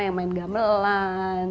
yang main gamelan